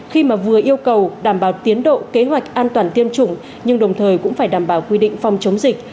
khi mà vừa yêu cầu đảm bảo tiến độ kế hoạch an toàn tiêm chủng nhưng đồng thời cũng phải đảm bảo quy định phòng chống dịch